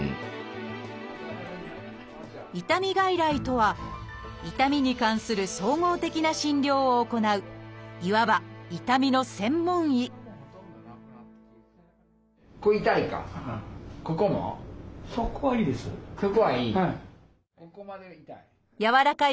「痛み外来」とは痛みに関する総合的な診療を行ういわば痛みの専門医柔らかい